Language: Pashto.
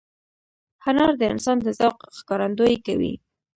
هنر د انسان د ذوق ښکارندویي کوي.